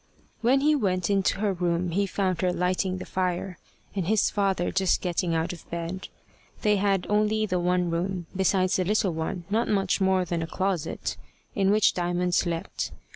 When he went into her room he found her lighting the fire, and his father just getting out of bed. They had only the one room, besides the little one, not much more than a closet, in which Diamond slept.